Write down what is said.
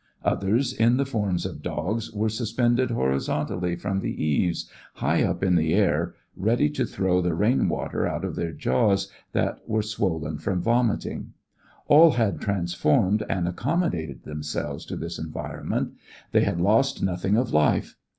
Others in the forms of dogs were suspended horizontally from the eaves, high up in the air, ready to throw the rainwater out of their jaws that were swollen from vomiting. All had transformed and accommodated themselves to this environment; they had lost nothing of life.